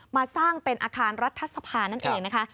มาสร้างเป็นอาคารรัฐสภานั่นเองนะคะ